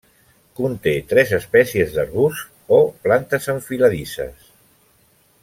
Conté tres espècies d'arbusts o plantes enfiladisses.